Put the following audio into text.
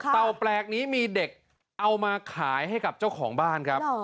เต่าแปลกนี้มีเด็กเอามาขายให้กับเจ้าของบ้านครับ